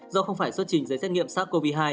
do không phải xuất trình giấy xét nghiệm sars cov hai